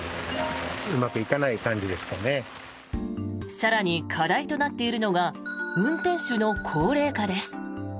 更に、課題となっているのが運転手の高齢化です。